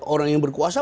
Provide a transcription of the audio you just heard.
orang yang berkuasa